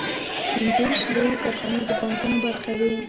پنځه ویشت لویې کارخانې د بانکونو برخه وې